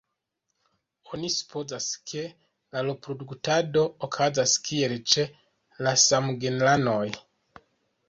Oni supozas, ke la reproduktado okazas kiel ĉe la samgenranoj.